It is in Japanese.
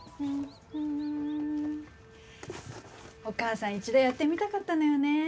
お母さん一度やってみたかったのよね。